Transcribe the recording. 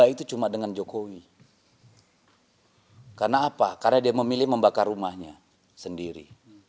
karena apa karena dia memilih membakar rumahnya sendiri